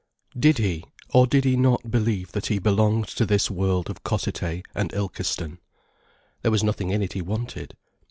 Did he, or did he not believe that he belonged to this world of Cossethay and Ilkeston? There was nothing in it he wanted.